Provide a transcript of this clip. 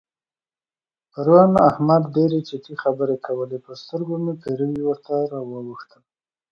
پرون احمد ډېرې چټي خبرې کول؛ پر سترګو مې پېروي ورته راواوښتل.